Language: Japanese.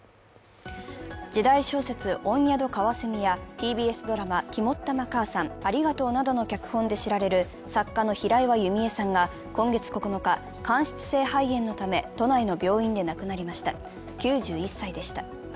時代小説「御宿かわせみ」やＴＢＳドラマ「肝っ玉かあさん」、「ありがとう」などの脚本で知られる作家の平岩弓枝さんが今月９日、間質性肺炎のため都内の病院で亡くなりました、９１歳でした。